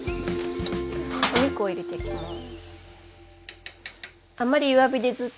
お肉を入れていきます。